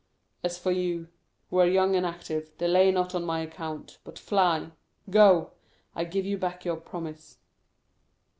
As for you, who are young and active, delay not on my account, but fly—go—I give you back your promise."